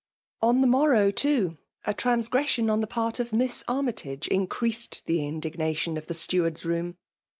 ■ On the morrow, too, a transgression *6nth& part of Miss Armytage increased the indig nation of the stcward^s room.